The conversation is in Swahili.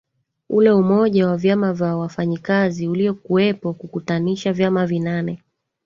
ule umoja wa vyama vya wafanyikazi uliokuweko kukutanisha vyama vinane